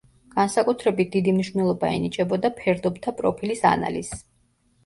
განსაკუთრებით დიდი მნიშვნელობა ენიჭებოდა ფერდობთა პროფილის ანალიზს.